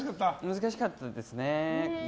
難しかったですね。